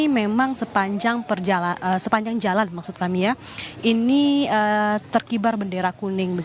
memang sepanjang jalan ini terkibar bendera kuning